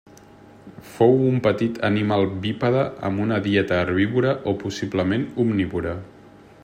Fou un petit animal bípede amb una dieta herbívora o possiblement omnívora.